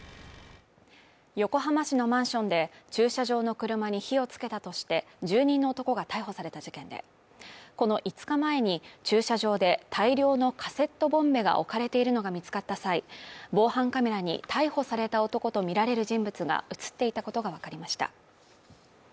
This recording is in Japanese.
横浜市のマンションで、駐車場の車に火をつけたとして、住人の男が逮捕された事件で、この５日前に駐車場で大量のカセットボンベが置かれているのが見つかった際、防犯カメラに逮捕された男とみられる人物が映っていたことがわかりました。